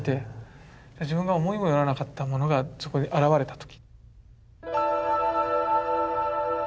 自分が思いもよらなかったものがそこに現れた時。